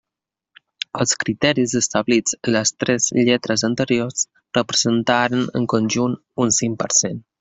Els criteris establits en les tres lletres anteriors representaran en conjunt un cinc per cent.